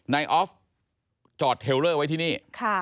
ออฟจอดเทลเลอร์ไว้ที่นี่